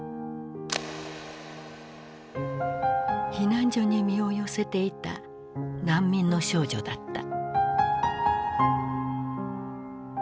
避難所に身を寄せていた難民の少女だった。